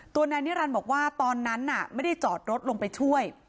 นายนิรันดิ์บอกว่าตอนนั้นน่ะไม่ได้จอดรถลงไปช่วย